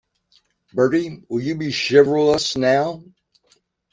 Bertie, will you be chivalrous now?